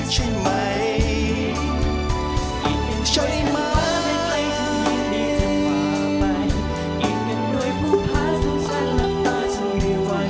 ใช่ไหม